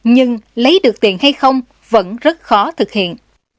nhưng lấy được tiền hay không vẫn rất khó thực hiện